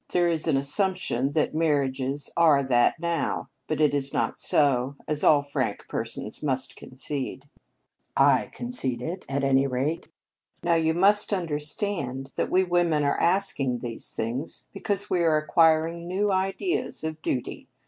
There is an assumption that marriages are that now, but it is not so, as all frank persons must concede." "I concede it, at any rate." "Now, you must understand that we women are asking these things because we are acquiring new ideas of duty.